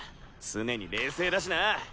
常に冷静だしな。